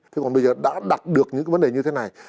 thế còn bây giờ đã đặt được những vấn đề như thế này